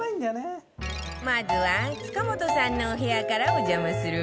まずは塚本さんのお部屋からお邪魔するわよ